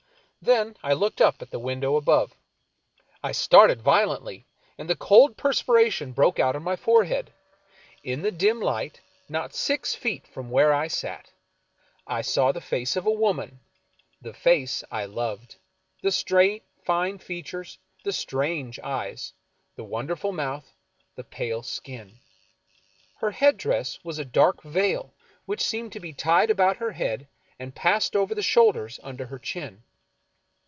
Then I looked up at the window above. I started violently, and the cold per 30 F. Marion Crcnvford spiration broke out upon my forehead. In the dim h'ght, not six feet from where I sat, I saw the face of a woman, the face I loved, the straight, fine features, the strange eyes, the wonderful mouth, the pale skin. Her head dress was a dark veil which seemed to be tied about her head and passed over the shoulders under her chin.